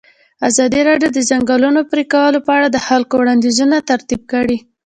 ازادي راډیو د د ځنګلونو پرېکول په اړه د خلکو وړاندیزونه ترتیب کړي.